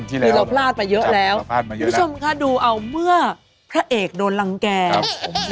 ที่เราพลาดมาเยอะแล้ว